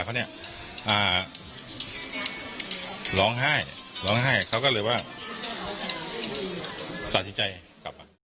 เขาเนี่ยอ่าร้องไห้ร้องไห้เขาก็เลยว่าสัจธิใจอ่ะ